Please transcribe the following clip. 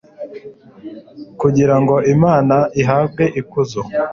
kugira ngo Imana ihabwe ikuzo